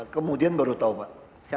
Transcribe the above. kemudian baru tahu mbak